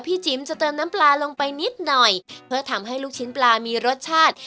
จิ๋มจะเติมน้ำปลาลงไปนิดหน่อยเพื่อทำให้ลูกชิ้นปลามีรสชาติ